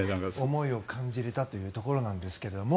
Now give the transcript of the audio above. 思いを感じれたというところなんですけども。